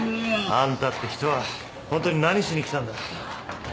あんたって人はホントに何しに来たんだ？